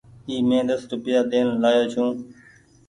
اي مين ديسو روپيا ڏين لآيو ڇون ۔